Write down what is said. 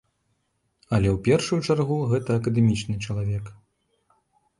Але ў першую чаргу гэта акадэмічны чалавек.